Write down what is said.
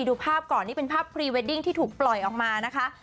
ดูภาพก่อนนี่เป็นภาพพรีเวดดิ้งที่ถูกปล่อยออกมานะคะ